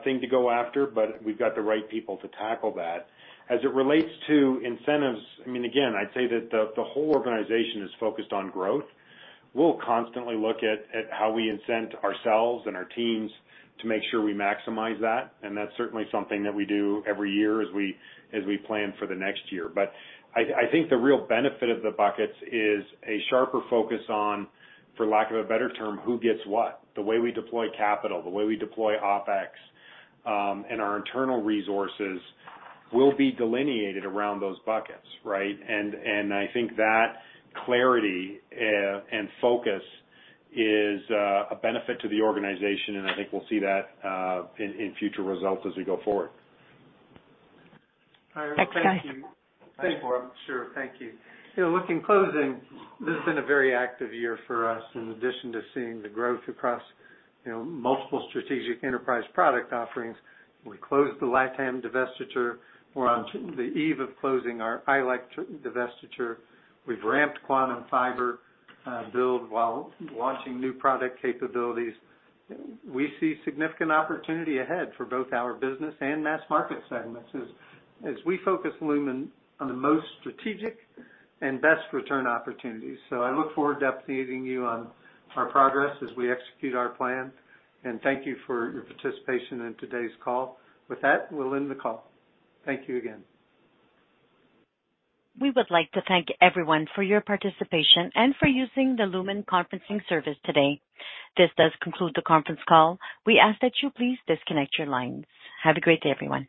thing to go after, but we've got the right people to tackle that. As it relates to incentives, I mean, again, I'd say that the whole organization is focused on growth. We'll constantly look at how we incent ourselves and our teams to make sure we maximize that. That's certainly something that we do every year as we plan for the next year. I think the real benefit of the buckets is a sharper focus on, for lack of a better term, who gets what. The way we deploy capital, the way we deploy OpEx, and our internal resources will be delineated around those buckets, right? I think that clarity and focus is a benefit to the organization, and I think we'll see that in future results as we go forward. Thanks, guys. Thanks, Bora. Sure. Thank you. You know, look, in closing, this has been a very active year for us. In addition to seeing the growth across, you know, multiple strategic enterprise product offerings, we closed the LatAm divestiture. We're on the eve of closing our ILEC divestiture. We've ramped Quantum Fiber build while launching new product capabilities. We see significant opportunity ahead for both our business and mass market segments as we focus Lumen on the most strategic and best return opportunities. So I look forward to updating you on our progress as we execute our plan. Thank you for your participation in today's call. With that, we'll end the call. Thank you again. We would like to thank everyone for your participation and for using the Lumen conferencing service today. This does conclude the conference call. We ask that you please disconnect your lines. Have a great day, everyone.